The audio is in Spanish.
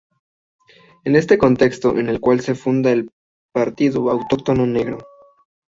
Es en este contexto en el cual se funda el Partido Autóctono Negro.